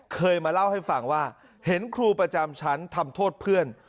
เคยมาเล่าให้ฟังว่าเห็นครูประจำชั้นทำโทษเพื่อน